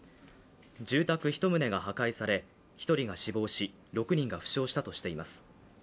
住宅１棟が破壊され人が死亡し６人が負傷したとしています。